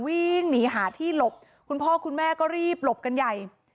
วิ่งหนีหาที่หลบคุณพ่อคุณแม่ก็รีบหลบกันใหญ่